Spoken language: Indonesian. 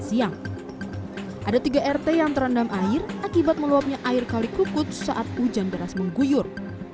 siang ada tiga rt yang terendam air akibat meluapnya air kalikukut saat hujan deras mengguyur